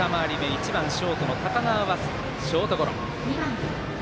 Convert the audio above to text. １番ショートの高川はショートゴロ。